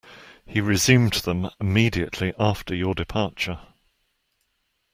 He resumed them immediately after your departure.